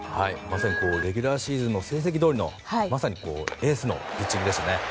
まさにレギュラーシーズンの成績どおりのエースのピッチングでしたね。